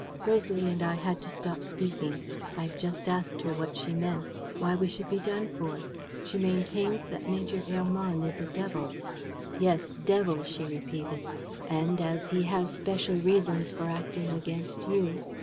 _ "Rosalie and I had to stop speaking. I have just asked her what she meant, why we should be done for. She maintains that Major Hermann is a devil: "'Yes, devil,' she repeated. 'And, as he has special reasons for acting against you.